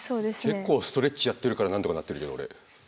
結構ストレッチやってるからなんとかなってるけど俺。